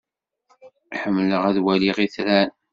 Ḥemmleɣ ad waliɣ itran.